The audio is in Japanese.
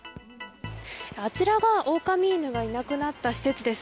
あちらが狼犬がいなくなった施設です。